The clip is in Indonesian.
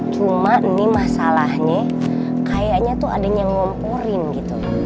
cuma ini masalahnya kayaknya tuh ada yang ngumpurin gitu